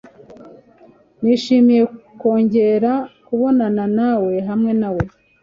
Nishimiye kongera kubonana nawe hamwe na we.